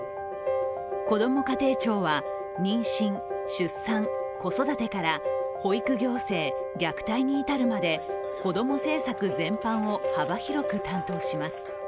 こども家庭庁は妊娠・出産、子育てから保育行政、虐待に至るまでこども政策全般を幅広く担当します。